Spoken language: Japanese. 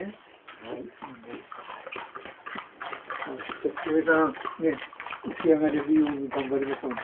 じゃあキヨエさん起き上がれるように頑張りましょうね。